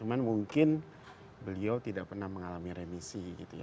cuman mungkin beliau tidak pernah mengalami remisi gitu ya